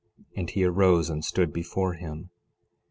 And he arose and stood before him.